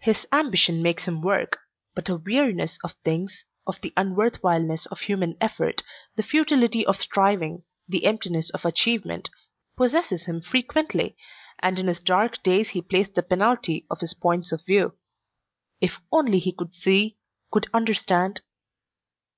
His ambition makes him work, but a weariness of things, of the unworthwhileness of human effort, the futility of striving, the emptiness of achievement, possesses him frequently, and in his dark days he pays the penalty of his points of view. If only he could see, could understand